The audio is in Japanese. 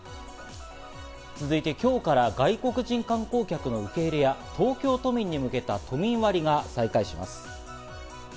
続いて、今日から外国人観光客の受け入れや、東京都民に向けた都民割が再開します。